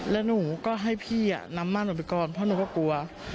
แล้วหนูก็ให้พี่นำมั่นออกไปก่อนเพราะหนูก็กลัว